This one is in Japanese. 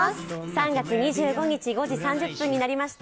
３月２５日５時３０分になりました。